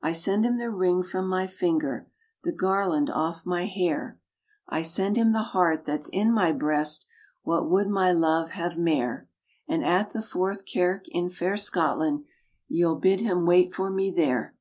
I send him the ring from my finger, The garland off my hair, RAINBOW GOLD I send him the heart that's in my breast; What would my love have mair? And at the fourth kirk in fair Scotland, Ye'll bid him wait for me there."